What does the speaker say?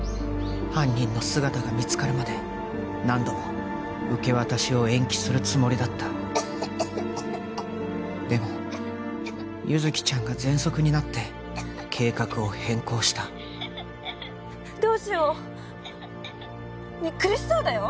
犯人の姿が見つかるまで何度も受け渡しを延期するつもりだったでも優月ちゃんがぜんそくになって計画を変更したどうしようねっ苦しそうだよ